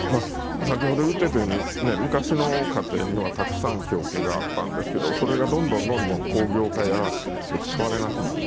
先ほど言ってたように昔の家庭にはたくさん木桶があったんですけどそれがどんどんどんどん工業化で使われなくなって。